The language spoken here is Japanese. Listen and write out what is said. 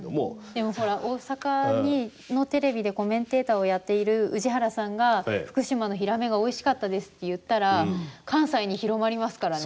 でも、ほら大阪のテレビでコメンテーターをやっている宇治原さんが、福島のヒラメがおいしかったですって言ったら関西に広まりますからね。